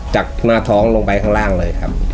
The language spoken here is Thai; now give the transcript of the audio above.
จากหน้าท้องลงไปข้างล่างเลยครับ